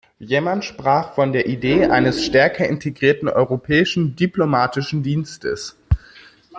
Jemand sprach von der Idee eines stärker integrierten europäischen diplomatischen Dienstes.